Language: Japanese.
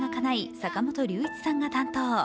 坂本龍一さんが担当。